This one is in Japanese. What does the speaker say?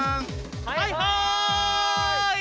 はいはい！